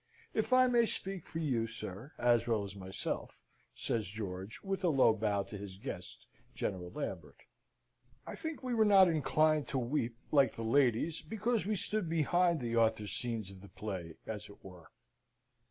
If I may speak for you, sir, as well as myself," says George (with a bow to his guest, General Lambert), "I think we were not inclined to weep, like the ladies, because we stood behind the author's scenes of the play, as it were.